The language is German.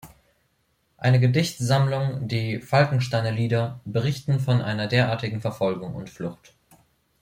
Eine Gedichtsammlung, die Falkensteiner Lieder, berichten von einer derartigen Verfolgung und Flucht.